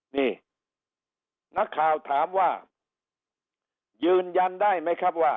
นี่นักข่าวถามว่ายืนยันได้ไหมครับว่า